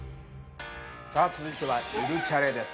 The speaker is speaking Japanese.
さあ続いては「ゆるチャレ」です。